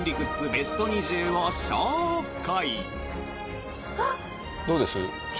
ベスト２０を紹介！